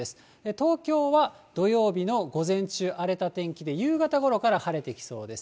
東京は土曜日の午前中、荒れた天気で、夕方ごろから晴れてきそうです。